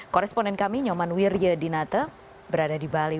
koresponen kami nyoman wiryadinata berada di bali